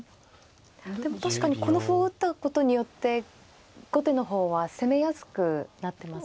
でも確かにこの歩を打ったことによって後手の方は攻めやすくなってますでしょうか。